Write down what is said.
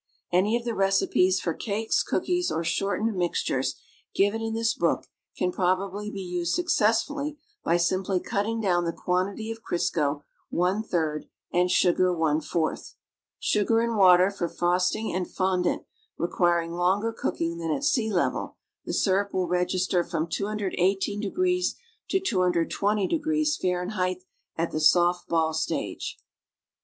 Any of the recipes for cakes, cookies, or shortened mixtures, given in this book can probably be used successfully by simply cutting down the quantity of Crisco one third and sugar one fourth. Sugar and water for frosting and fondant requiring longer cooking than at sea level, the syrup will register from 218° to 220° F., at the soft ball stage.